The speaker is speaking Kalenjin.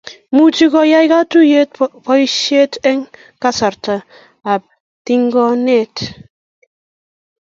much koyai katuyet boishet eng kasarta ab tigonet